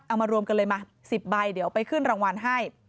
เอามารวมกันเลยมา๑๐ใบเดี๋ยวไปขึ้นรางวัลให้